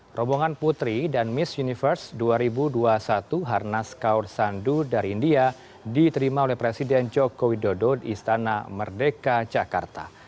rombongan putri dan miss universe dua ribu dua puluh satu harnas kaur sandu dari india diterima oleh presiden joko widodo di istana merdeka jakarta